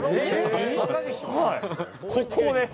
ここです。